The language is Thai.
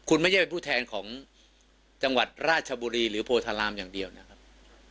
คุณไม่ใช่เป็นผู้แทนของจังหวัดราชบุรีหรือโพธารามอย่างเดียวนะครับ